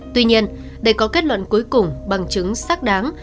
tuy nhiên để có kết luận cuối cùng bằng chứng xác đáng